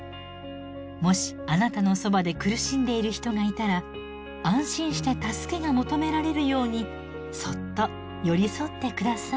もしあなたのそばで苦しんでいる人がいたら安心して助けが求められるようにそっと寄り添って下さい。